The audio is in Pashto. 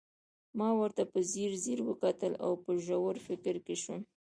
ما ورته په ځیر ځير وکتل او په ژور فکر کې شوم